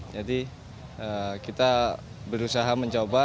jadi kita berusaha mencoba